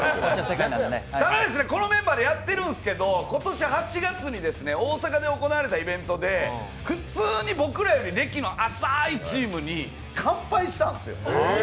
ただ、このメンバーでやってるんですけど、今年８月に大阪で行われたイベントで普通に僕らよりも歴の浅いチームに完敗したんですよ。